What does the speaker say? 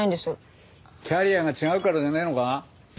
キャリアが違うからじゃねえのか？